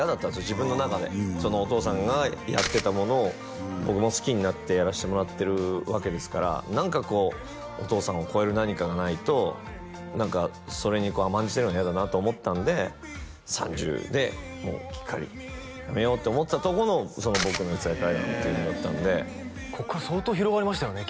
自分の中でお父さんがやってたものを僕も好きになってやらせてもらってるわけですから何かこうお父さんを超える何かがないと何かそれにこう甘んじてるのは嫌だなと思ったんで３０でもうきっかりやめようと思ってたとこの「ボクの四谷怪談」っていうのだったんでここから相当広がりましたよね？